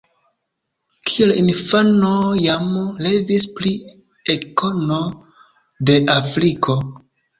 Kiel infano jam revis pri ekkono de Afriko.